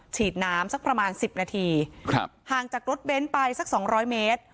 ฉีดน้ำสักประมาณ๑๐นาทีห่างจากรถเบนท์ไปสักสองร้อยเมตร